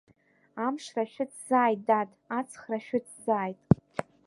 Амшра шәыцзааит, дад, аҵхра шәыцзааит!